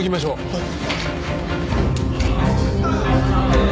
はい。